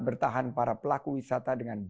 bertahan para pelaku wisata dengan